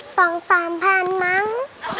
สองสามพันมั้ง